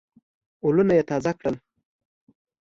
ولونه یې تازه کړل.